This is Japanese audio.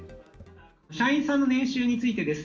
社員さんの年収についてです。